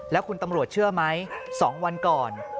แล้วคุณตำรวจเชื่อไหม๒วันก่อน